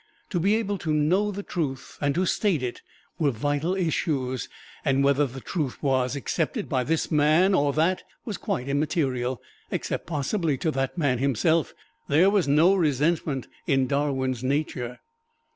To be able to know the truth, and to state it, were vital issues: whether the truth was accepted by this man or that was quite immaterial, except possibly to the man himself. There was no resentment in Darwin's nature.